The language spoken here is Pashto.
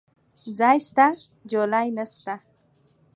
ځاى سته ، جولايې نسته.